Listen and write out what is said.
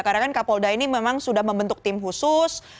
karena kan kapolda ini memang sudah membentuk tim khusus